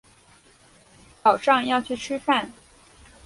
早上要去吃饭